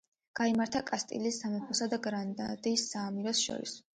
გაიმართა კასტილიის სამეფოსა და გრანადის საამიროს შორის.